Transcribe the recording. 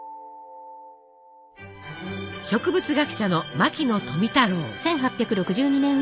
植物学者の牧野富太郎。